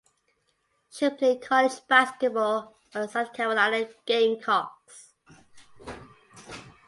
She played college basketball for the South Carolina Gamecocks.